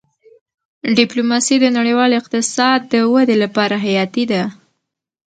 ډيپلوماسي د نړیوال اقتصاد د ودې لپاره حیاتي ده.